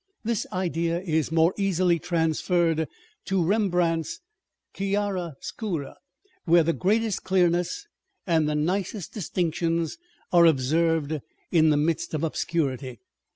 This idea is more easily transferred to Eembrandt's chiaro scura, where the greatest clearness and the nicest distinctions are observed in the midst of obscurity.